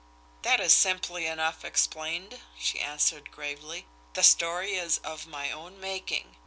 "That is simply enough explained," she answered gravely. "The story is of my own making.